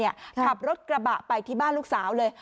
ขับรถกระบะไปที่บ้านลูกสาวเลย